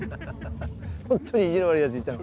ほんと意地の悪いやついたの。